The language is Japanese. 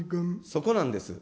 そこなんです。